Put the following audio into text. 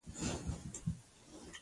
خپل او پردي چې د تورې شول.